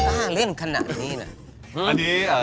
อ่าเล่นขนาดนี้หน่อย